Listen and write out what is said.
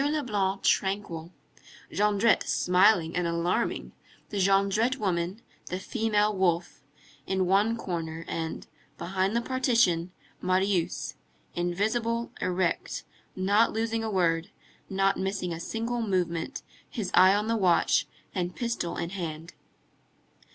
Leblanc tranquil, Jondrette smiling and alarming, the Jondrette woman, the female wolf, in one corner, and, behind the partition, Marius, invisible, erect, not losing a word, not missing a single movement, his eye on the watch, and pistol in hand.